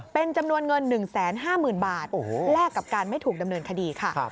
เป็นจำนวนเงิน๑๕๐๐๐บาทแลกกับการไม่ถูกดำเนินคดีค่ะ